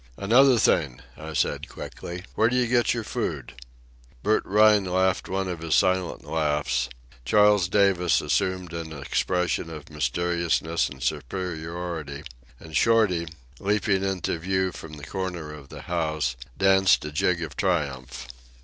"Another thing," I said quickly. "Where do you get your food?" Bert Rhine laughed one of his silent laughs; Charles Davis assumed an expression of mysteriousness and superiority; and Shorty, leaping into view from the corner of the house, danced a jig of triumph.